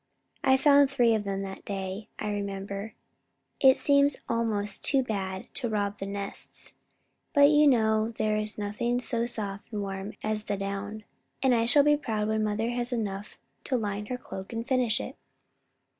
I found three of them that day, I remember. It seemed almost too bad to rob the nests, but still you know there is nothing so soft and warm as the down. And I shall be proud when mother has enough to line her cloak and finish it."